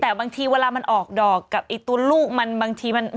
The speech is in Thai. แต่บางทีเวลามันออกดอกกับไอ้ตัวลูกมันบางทีมัน